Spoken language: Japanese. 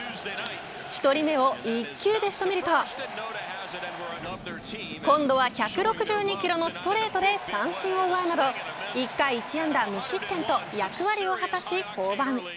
１人目を１球で仕留めると今度は１６２キロのストレートで三振を奪うなど１回１安打無失点と役割を果たし、降板。